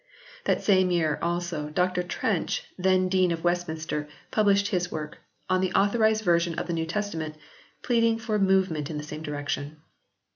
That same year, also, Dr Trench, then Dean of West minster, published his work "On the Authorised Version of the New Testament," pleading for move ment in the same direction.